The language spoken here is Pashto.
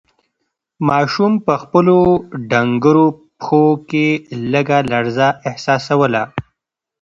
ماشوم په خپلو ډنگرو پښو کې لږه لړزه احساسوله.